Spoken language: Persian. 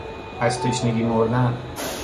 از تشنگی مردن